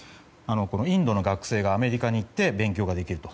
インドの学生がアメリカに行って勉強ができると。